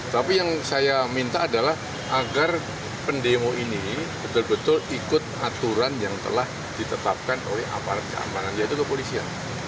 tapi yang saya minta adalah agar pendemo ini betul betul ikut aturan yang telah ditetapkan oleh aparat keamanan yaitu kepolisian